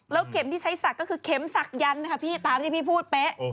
แล้วเข็มที่ใช้สักก็คือเข็มสักยันต์ตามที่พี่พูดเป๊ะ